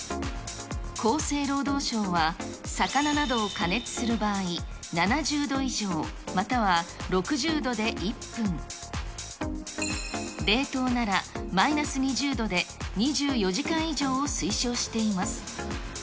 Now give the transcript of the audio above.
厚生労働省は、魚などを加熱する場合、７０度以上、または６０度で１分、冷凍ならマイナス２０度で、２４時間以上を推奨しています。